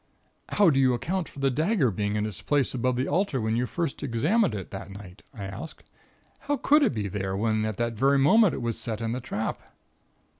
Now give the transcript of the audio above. "How do you account for the dagger being in its place above the altar when you first examined it that night?" I asked. "How could it be there, when at that very moment it was set in the trap?"